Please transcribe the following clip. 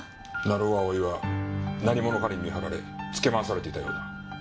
成尾蒼は何者かに見張られつけ回されていたようだ。